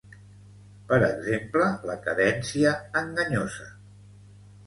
Per exemple, la cadència enganyosa.